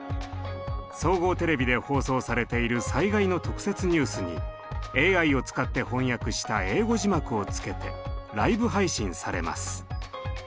総合テレビで放送されている災害の特設ニュースにＡＩを使って翻訳した英語字幕をつけてライブ配信されます。